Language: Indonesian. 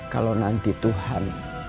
kalau nanti tuhan